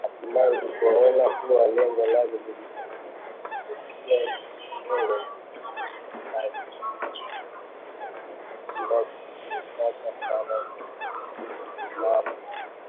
Hatimaye, alipoona kuwa lengo lake lingetumbukia nyongo, aliupiga mluzi na kunitaka sana nisimame